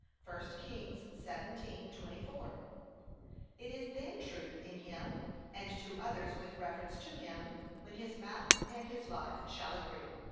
(1 Kings 17:24) It is then truth in him, and to others with reference to him, when his mouth and his life shall agree.